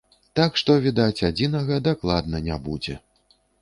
Так што, відаць, адзінага дакладна не будзе.